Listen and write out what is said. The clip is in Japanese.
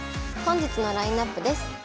本日のラインナップです。